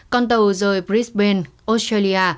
còn tàu rời brisbane australia